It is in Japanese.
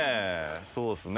そうですね